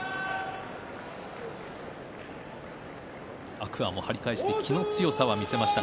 天空海も張り返して気の強さを見せました。